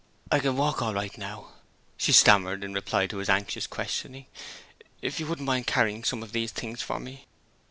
'I can walk home all right now,' she stammered in reply to his anxious questioning. 'If you wouldn't mind carrying some of these things for me.'